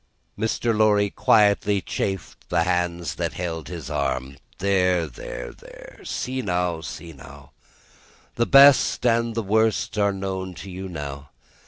Mr. Lorry quietly chafed the hands that held his arm. "There, there, there! See now, see now! The best and the worst are known to you, now.